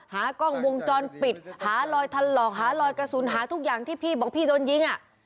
หากล้องวงจรปิดหารอยทันหลอกหาลอยกระสุนหาทุกอย่างที่พี่บอกพี่โดนยิงอ่ะ